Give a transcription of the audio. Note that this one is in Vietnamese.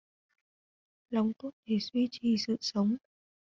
Lòng tốt để duy trì sự sống